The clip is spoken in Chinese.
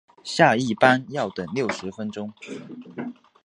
下一班要等六十分钟